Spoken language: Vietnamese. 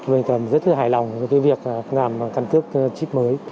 mình rất hài lòng với việc làm căn cước chip mới